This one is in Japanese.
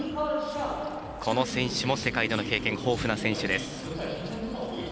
この選手も世界での経験豊富な選手です。